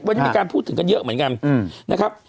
วันนี้มีการพูดถึงกันเยอะเหมือนกันนะครับ